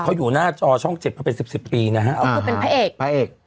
เขาอยู่หน้าจอช่องเจ็ดเขาเป็นสิบสิบปีนะฮะก็คือเป็นพระเอกพระเอก